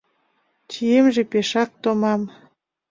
Чиемже пешак томам.